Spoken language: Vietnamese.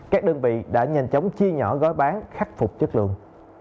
các đơn vị đã nhanh chóng chia nhỏ gói bán khắc phục chất lượng